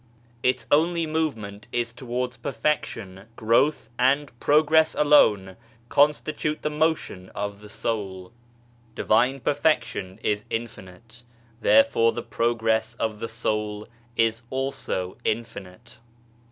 Its only movement is towards perfection, growth and progress alone constitute the motion of the Soul. Divine perfection is infinite, therefore the progress of the Soul is also infinite.